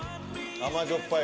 甘じょっぱいよ。